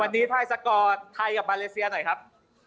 วันนี้พายสกอร์ไทยกับมาเลเซียหน่อยครับ